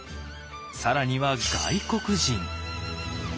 更には外国人。